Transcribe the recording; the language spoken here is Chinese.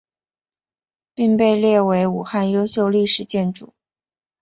并被列为武汉优秀历史建筑。